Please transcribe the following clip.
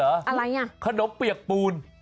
อะไรอ่ะขนมเปียกปูน